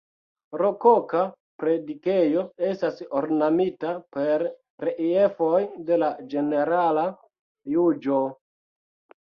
Rokoka predikejo estas ornamita per reliefoj de la Ĝenerala Juĝo.